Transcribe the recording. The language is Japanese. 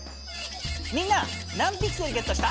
みんな何ピクセルゲットした？